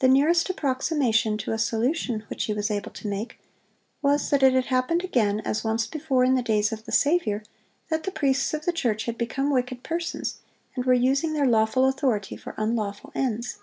The nearest approximation to a solution which he was able to make, was that it had happened again, as once before in the days of the Saviour, that the priests of the church had become wicked persons, and were using their lawful authority for unlawful ends.